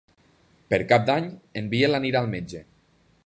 Per Cap d'Any en Biel anirà al metge.